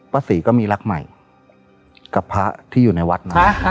ศรีก็มีรักใหม่กับพระที่อยู่ในวัดมา